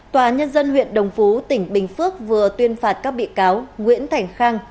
tòa nhân dân huyện đồng phú tỉnh bình phước vừa tuyên phạt các bị cáo nguyễn thành khang